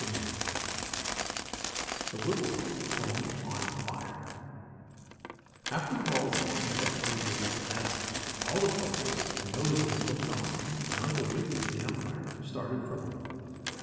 STORY XVI THE WIBBLEWOBBLE HOME ON FIRE After the ball game, which I told you about last night, all the players, and those who had looked on, and Uncle Wiggily, the umpire, started for home.